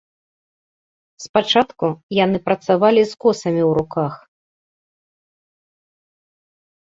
Спачатку яны працавалі з косамі ў руках.